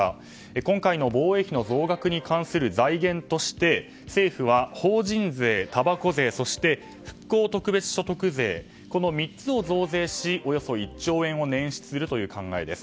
今回の防衛費の増額の財源として、政府は法人税、たばこ税そして復興特別所得税この３つを増税しおよそ１兆円を捻出するという考えです。